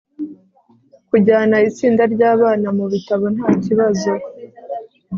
kujyana itsinda ryabana mubitabo ntakibazo